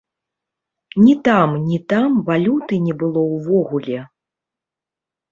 Ні там, ні там валюты не было ўвогуле.